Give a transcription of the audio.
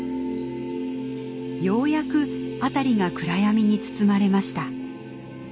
ようやく辺りが暗闇に包まれました。